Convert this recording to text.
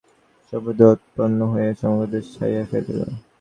এইরূপে এক নাক কাটা সাধু-সম্প্রদায় উৎপন্ন হইয়া সমগ্র দেশ ছাইয়া ফেলিল।